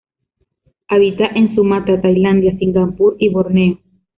Habita en Sumatra, Tailandia, Singapur y Borneo.